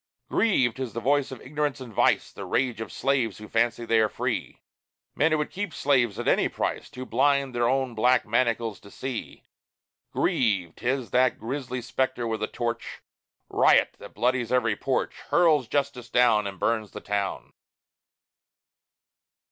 Grieve! 'tis the voice of ignorance and vice, The rage of slaves who fancy they are free: Men who would keep men slaves at any price, Too blind their own black manacles to see. Grieve! 'tis that grisly spectre with a torch, Riot that bloodies every porch, Hurls justice down And burns the town.